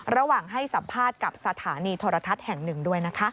ระหว่างให้สัมภาษณ์กับสถานีโทรทัศน์แห่งหนึ่งด้วยนะคะ